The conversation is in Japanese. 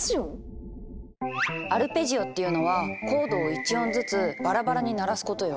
アルペジオっていうのはコードを１音ずつバラバラに鳴らすことよ。